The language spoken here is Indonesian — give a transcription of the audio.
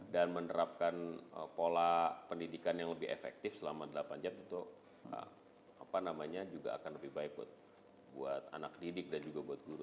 dan menerapkan pola pendidikan yang lebih efektif selama delapan jam itu apa namanya juga akan lebih baik buat anak didik dan juga buat guru